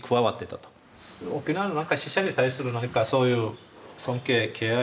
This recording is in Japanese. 沖縄のなんか死者に対するそういう尊敬敬愛